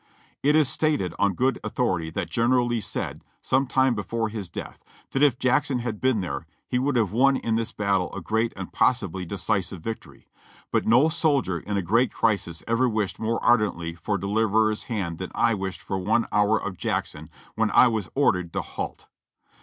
It is stated on good authority that General Lee said, some time before his death, that if Jackson had been there, he would have won in this battle a great and possibly decisive victory. But no soldier in a orreat crisis ever wished more ardentlv for deliverer's hand than I wished for one hour of Jackson, when I was ordered to halt.